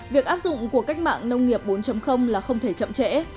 việc áp dụng của cách mạng nông nghiệp bốn là không thể chậm trễ